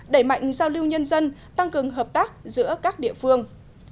đẩy mạnh giao lưu nhân dân tăng cường hợp tác giữa các địa phương